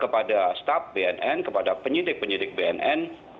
kepada staf bnn kepada penyidik penyidik bnn